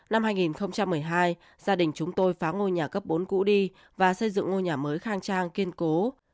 năm hai nghìn một mươi hai gia đình chúng tôi phá ngôi nhà cấp bốn cũ đi và xây dựng ngôi nhà mới khang trang kiên cố